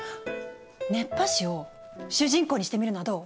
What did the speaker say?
熱波師を主人公にしてみるのはどう？